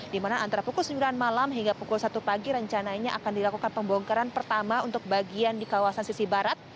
di mana antara pukul sembilan malam hingga pukul satu pagi rencananya akan dilakukan pembongkaran pertama untuk bagian di kawasan sisi barat